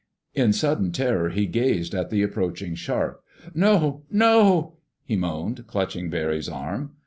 In sudden terror he gazed at the approaching shark. "No! No!" he moaned, clutching Barry's arm.